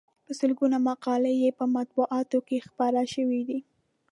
په سلګونو مقالې یې په مطبوعاتو کې خپرې شوې دي.